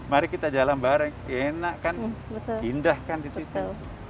mari kita jalan bareng enak kan indah kan di situ